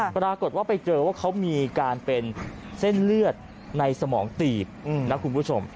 ปรากฏว่าไปเจอว่าเขามีการเป็นเส้นเลือดในสมองตีบนะคุณผู้ชม